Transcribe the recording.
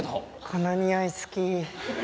このにおい好き。